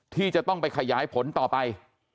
ที่จะต้องไปขยายผลต่อไป